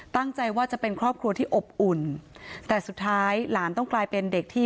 ตั้งใจว่าจะเป็นครอบครัวที่อบอุ่นแต่สุดท้ายหลานต้องกลายเป็นเด็กที่